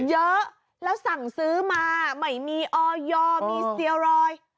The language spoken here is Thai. เยอะแล้วสั่งซื้อมาไม่มีออยมีเซียรอย